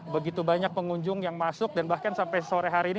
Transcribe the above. begitu banyak pengunjung yang masuk dan bahkan sampai sore hari ini